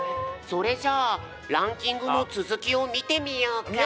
それじゃランキングのつづきを見てみようか。